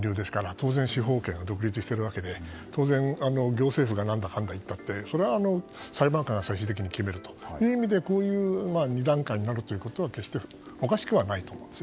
当然司法局が独立しているわけで行政府が何だかんだ言ったってそれは裁判官が最終的に決めるという意味で２段階になることは決しておかしくはないと思います。